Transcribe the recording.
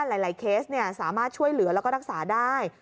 เคสสามารถช่วยเหลือแล้วก็รักษาได้